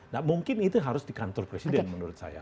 nah mungkin itu harus di kantor presiden menurut saya